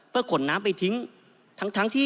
เพื่อนขนน้ำไปทิ้ง